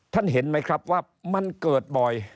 เห็นไหมครับว่ามันเกิดบ่อย